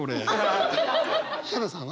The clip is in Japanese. ヒャダさんは？